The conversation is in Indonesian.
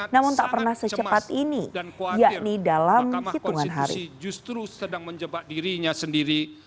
namun tak pernah secepat ini yakni dalam hitungan hari